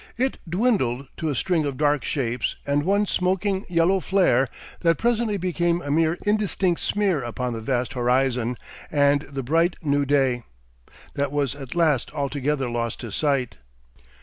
It dwindled to a string of dark shapes and one smoking yellow flare that presently became a mere indistinct smear upon the vast horizon and the bright new day, that was at last altogether lost to sight...